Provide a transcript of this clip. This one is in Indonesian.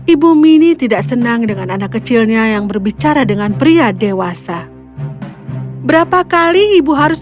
ibu mini tidak senang dengan anak kecilnya yang berbicara dengan pria dewasa berapa kali ibu harus